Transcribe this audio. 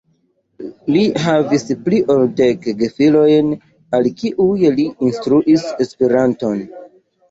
Li havis pli ol dek gefilojn al kiuj li instruis Esperanton.